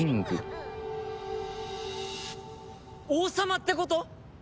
王様ってこと？